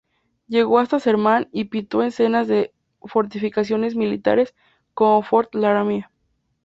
Llegó hasta Sherman y pintó escenas de fortificaciones militares, como Fort Laramie.